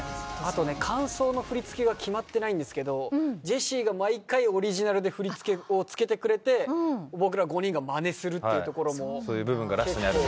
間奏の振り付けが決まってないんですけどジェシーが毎回オリジナルで振り付けを付けてくれて僕ら５人がまねするっていうところも結構盛り上がる。